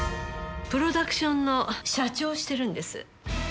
プロダクションの社長をしてるんです。